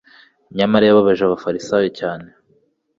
nyamara yababaje abafarisayo cyane,